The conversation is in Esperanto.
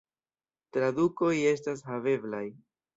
Tradukoj estas haveblaj.